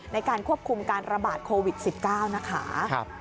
ในการควบคุมการระบาดโควิด๑๙นะคะ